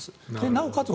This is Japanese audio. なおかつ